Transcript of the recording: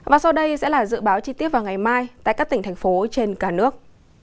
và sau đây sẽ là dự báo chi tiết vào ngày mai tại các tỉnh thành phố trên cả nước